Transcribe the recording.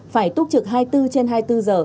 phải túc trực hai mươi bốn trên hai mươi bốn giờ